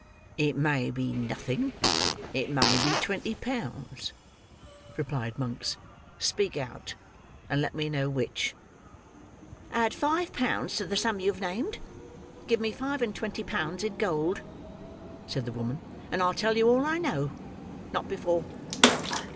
"It may be nothing; it may be twenty pounds," replied Monks. "Speak out, and let me know which." "Add five pounds to the sum you have named; give me five and twenty pounds in gold," said the woman; "and I'll tell you all I know. Not before."